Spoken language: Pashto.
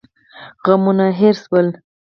غمونه هېر شول.